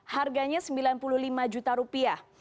harganya sembilan puluh lima juta rupiah